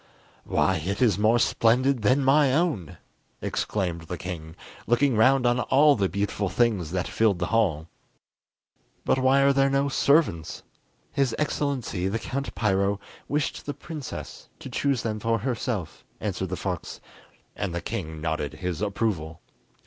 "Why it is more splendid than my own!" exclaimed the king, looking round on all the beautiful things that filled the hall. But why are there no servants?" "His Excellency the Count Piro wished the princess to choose them for herself," answered the fox, and the king nodded his approval.